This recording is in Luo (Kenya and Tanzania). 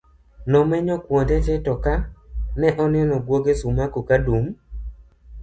nomenyo kuonde te to ka ne oneno gwoge Sumaku kadum